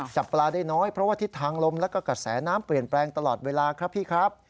จับปลาได้น้อยเพราะว่าทิศทางลมแล้วก็กระแสน้ำเปลี่ยนแปลงตลอดเวลาครับพี่ครับ